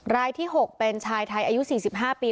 รายที่๖เป็นชายไทยอายุ๔๕ปี